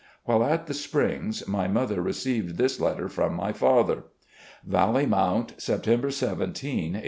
While at the Springs my mother received this letter from my father: "Valley Mount, September 17, 1861.